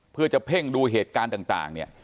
เพื่อจะเพ่งดูเหตุการณ์ต่างเนี่ย